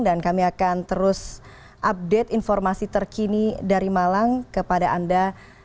dan kami akan terus update informasi terkini dari malang kepada anda